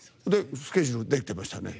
スケジュールできてましたよね。